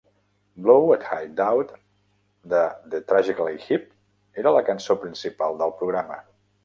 "Blow at High Dough" de The Tragically Hip era la cançó principal del programa.